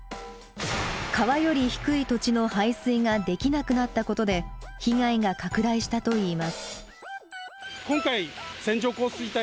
川より低い土地の排水ができなくなったことで被害が拡大したといいます。